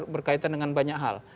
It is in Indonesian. berkaitan dengan banyak hal